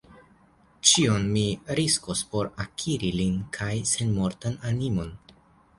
Ĉion mi riskos, por akiri lin kaj senmortan animon!